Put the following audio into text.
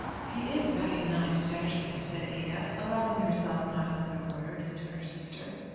"He is very nice, certainly," said Ada, allowing herself not another word, to her sister.